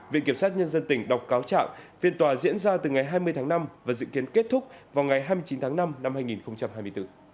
viện kiểm sát nhân dân tỉnh đọc cáo trạng phiên tòa diễn ra từ ngày hai mươi tháng năm và dự kiến kết thúc vào ngày hai mươi chín tháng năm năm hai nghìn hai mươi bốn